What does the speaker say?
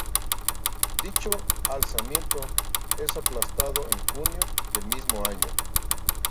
Dicho alzamiento es aplastado en junio del mismo año.